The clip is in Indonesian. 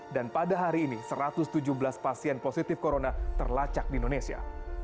dan pada hari ini satu ratus tujuh belas pasien positif corona terlacak di indonesia